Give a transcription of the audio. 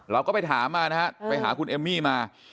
เราก็ไปถามมานะฮะไปหาคุณเอมมี่มา